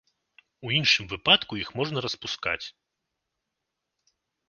У іншым выпадку іх можна распускаць.